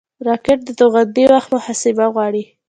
راکټ د توغونې وخت محاسبه غواړي